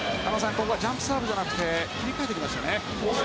ここはジャンプサーブではなくて切り替えてきましたね。